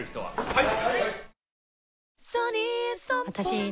はい。